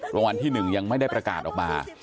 รางวัลที่๑ยังไม่ได้ประกาศออกมา